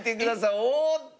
おっと！